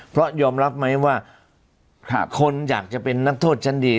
เพราะยอมรับไหมว่าคนอยากจะเป็นนักโทษชั้นดี